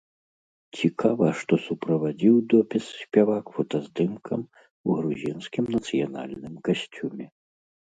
Цікава, што суправадзіў допіс спявак фотаздымкам у грузінскім нацыянальным касцюме.